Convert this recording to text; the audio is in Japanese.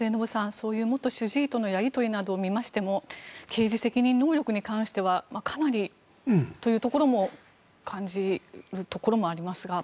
そういう元主治医とのやり取りなどを見ましても刑事責任能力に関してはかなりというところも感じるところもありますが。